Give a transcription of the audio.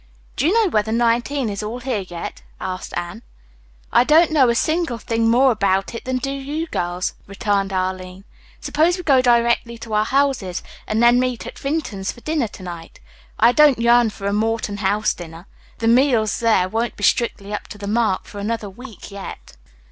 "Do you know whether 19 is all here yet?" asked Anne. "I don't know a single thing more about it than do you girls," returned Arline. "Suppose we go directly to our houses, and then meet at Vinton's for dinner to night. I don't yearn for a Morton House dinner. The meals there won't be strictly up to the mark for another week yet.